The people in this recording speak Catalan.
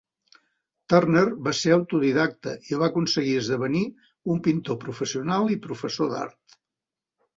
Turner va ser autodidacta i va aconseguir esdevenir un pintor professional i professor d'art.